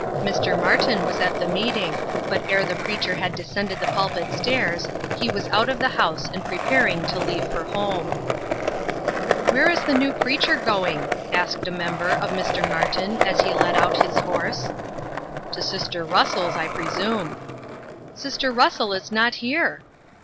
Mr. Martin was at the meeting, but ere the preacher had descended the pulpit stairs, he was out of the house and preparing to leave for home. "Where is the new preacher going?" asked a member, of Mr. Martin, as he led out his horse. "To sister Russell's, I presume." "Sister Russell is not here."